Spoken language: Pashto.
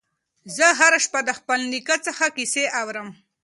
زه هره شپه د خپل نیکه څخه کیسې اورم.